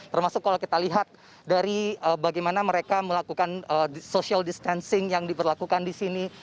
termasuk kalau kita lihat dari bagaimana mereka melakukan social distancing yang diberlakukan di sini